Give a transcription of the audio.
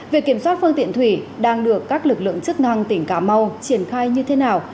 việc kiểm soát phương tiện thủy đang được các lực lượng chức năng tỉnh cà mau triển khai như thế nào